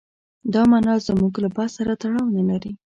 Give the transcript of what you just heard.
دا معنا زموږ له بحث سره تړاو نه لري.